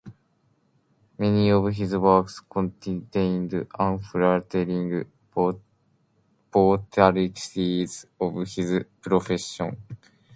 Many of his works contained unflattering portrayals of his profession.